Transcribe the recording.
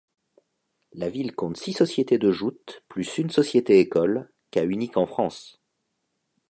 La ville compte six sociétés de joutes plus une société-école, cas unique en France.